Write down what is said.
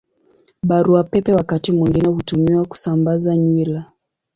Barua Pepe wakati mwingine hutumiwa kusambaza nywila.